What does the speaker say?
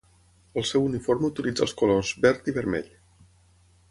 Al seu uniforme utilitza els colors verd i vermell.